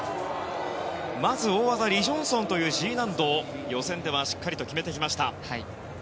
まず大技、リ・ジョンソンというＧ難度を予選ではしっかりと決めてきました。